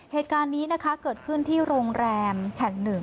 เหตุการณ์นี้นะคะเกิดขึ้นที่โรงแรมแห่งหนึ่ง